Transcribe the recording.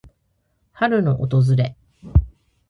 春の訪れ。